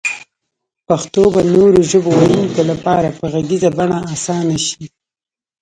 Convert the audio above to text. پښتو به نورو ژبو ويونکو لپاره په غږيزه بڼه اسانه شي